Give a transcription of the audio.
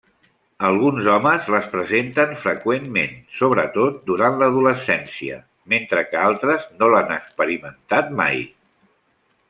Alguns homes les presenten freqüentment, sobretot durant l'adolescència, mentre que altres no l'han experimentat mai.